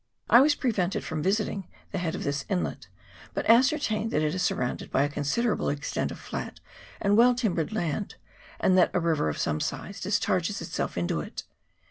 I was prevented from visiting the head of this inlet, but ascertained that it is surrounded by a consider able extent of flat and well timbered land, and that a river of some size discharges itself into it.